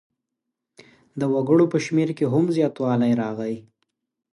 د وګړو په شمېر کې هم زیاتوالی راغی.